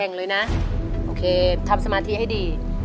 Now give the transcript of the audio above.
แต่งเลยนะโอเคทำสมาธิให้ดี